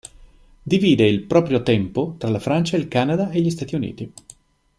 Divide il proprio tempo tra la Francia, il Canada e gli Stati Uniti.